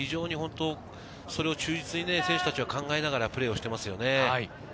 それを忠実に選手たちは考えながらプレーしていますね。